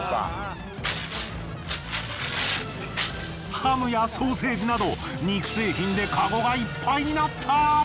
ハムやソーセージなど肉製品でカゴがいっぱいになった。